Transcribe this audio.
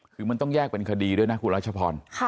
คือมันต้องแยกเป็นคดีด้วยนะคุณรัชพร